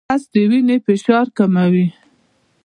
رس د وینې فشار کموي